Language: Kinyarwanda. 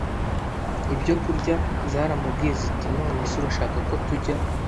ibyokurya Zaramubwiye ziti none se urashaka ko tujya